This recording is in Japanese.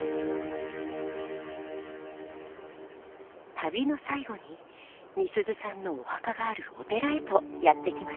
旅の最後にみすゞさんのお墓があるお寺へとやって来ました。